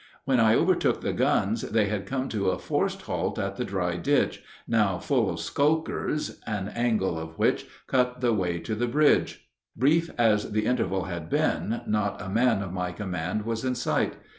When I overtook the guns they had come to a forced halt at the dry ditch, now full of skulkers, an angle of which cut the way to the bridge. Brief as the interval had been, not a man of my command was in sight.